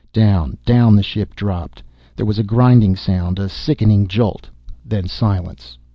Down, down the ship dropped. There was a grinding sound, a sickening jolt. Then silence.